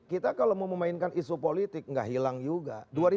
kita kalau mau memainkan isu politik nggak hilang juga